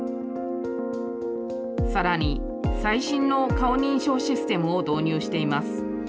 さらに最新の顔認証システムを導入しています。